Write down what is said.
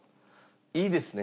いいですね？